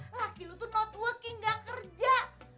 laki lo tuh not working gak kerja